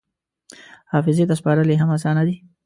حافظې ته سپارل یې هم اسانه دي.